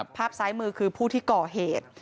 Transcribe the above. ภาพซ้ายมือคือผู้ที่ก่อเหตุ